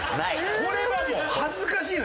これはもう恥ずかしいのよ。